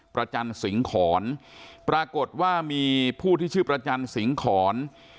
ประจันสิงขอนปรากฏว่ามีผู้ที่ชื่อประจันสิงขอน